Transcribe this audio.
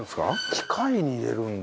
機械に入れるんだ。